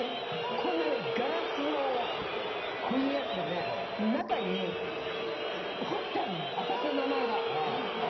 こんなガラスのこういうやつでね中に彫ってあるのよ、私の名前が。